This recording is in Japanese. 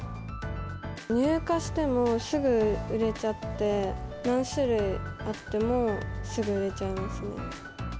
入荷してもすぐ売れちゃって、何種類あってもすぐ売れちゃいますね。